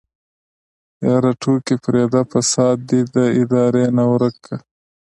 يره ټوکې پرېده فساد دې د ادارې نه ورک که.